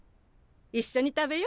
いっしょに食べよ。